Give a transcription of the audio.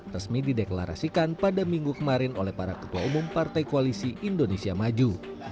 resmi dideklarasikan pada minggu kemarin oleh para ketua umum partai koalisi indonesia maju